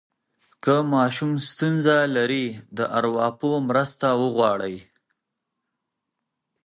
که ماشوم ستونزه لري، د ارواپوه مرسته وغواړئ.